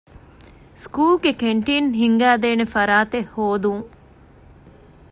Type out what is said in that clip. ސްކޫލުގެ ކެންޓީން ހިންގައިދޭނެ ފަރާތެއް ހޯދުން.